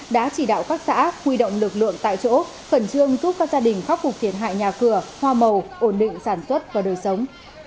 đã chỉ đạo các xã huy động lực lượng tại chỗ khẩn trương giúp các gia đình khắc phục thiệt hại nhà cửa hoa màu ổn định sản xuất và đời sống